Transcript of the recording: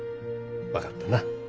分かったな？